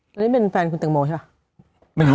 แล้วนี่เป็นแฟนคุณแตงโมใช่ป่ะ